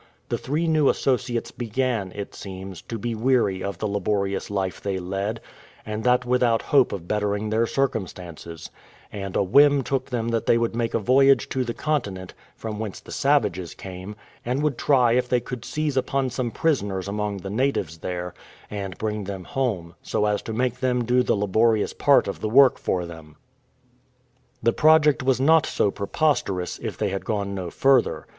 The three new associates began, it seems, to be weary of the laborious life they led, and that without hope of bettering their circumstances: and a whim took them that they would make a voyage to the continent, from whence the savages came, and would try if they could seize upon some prisoners among the natives there, and bring them home, so as to make them do the laborious part of the work for them. The project was not so preposterous, if they had gone no further.